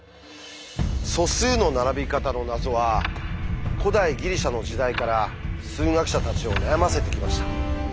素数の並び方の謎は古代ギリシャの時代から数学者たちを悩ませてきました。